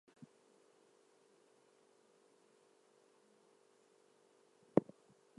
Ghostblasters: The Mystery of the Haunted Mansion and many others.